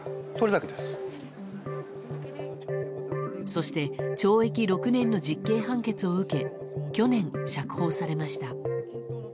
そして懲役６年の実刑判決を受け去年、釈放されました。